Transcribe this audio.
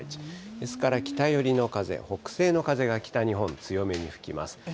ですから北寄りの風、北西の風が北日本、強めに吹きます。